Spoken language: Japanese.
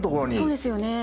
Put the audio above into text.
そうですよね。